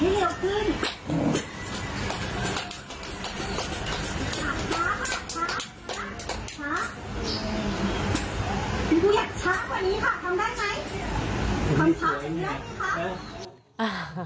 ทำช้างเป็นเรามั้ยครับ